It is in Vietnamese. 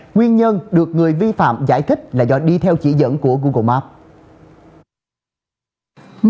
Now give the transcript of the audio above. nguyên nhân được người vi phạm giải thích là do đi theo chỉ dẫn của google maps